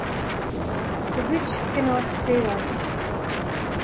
The witch cannot save us.